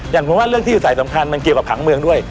อย่างผมว่าเรื่องที่อยู่สายสำคัญมันเกี่ยวกับผังเมืองด้วย